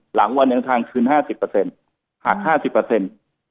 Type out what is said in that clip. หลังวันเดินทางคืน๕๐หัก๕๐อืม